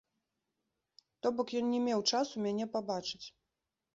То бок, ён не меў часу мяне пабачыць.